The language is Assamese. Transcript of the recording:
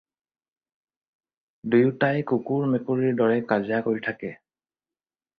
দুয়োটাই কুকুৰ-মেকুৰীৰ দৰে কাজিয়া কৰি থাকে।